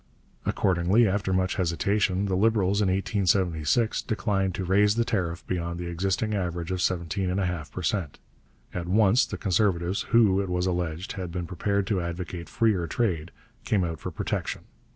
Accordingly, after much hesitation, the Liberals in 1876 declined to raise the tariff beyond the existing average of seventeen and a half per cent. At once the Conservatives, who, it was alleged, had been prepared to advocate freer trade, came out for protection.